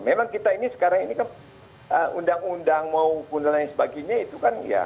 memang kita ini sekarang ini kan undang undang maupun lain sebagainya itu kan ya